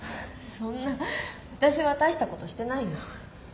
そんな私は大したことしてないよ。